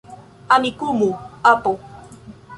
Amikumu, apo.